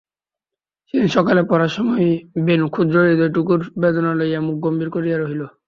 সেদিনও সকালে পড়ার সময় বেণু ক্ষুদ্র হৃদয়টুকুর বেদনা লইয়া মুখ গম্ভীর করিয়া রহিল।